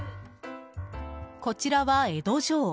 こちらは江戸城。